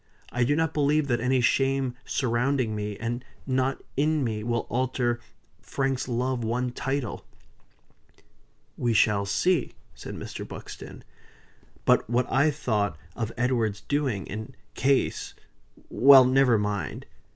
I do not believe that any shame surrounding me, and not in me, will alter Frank's love one title." "We shall see," said Mr. Buxton. "But what I thought of Edward's doing, in case Well never mind!